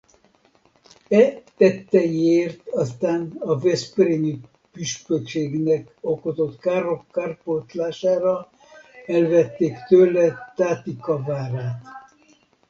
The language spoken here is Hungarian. E tetteiért aztán a veszprémi püspökségnek okozott károk kárpótlására elvették tőle Tátika várát.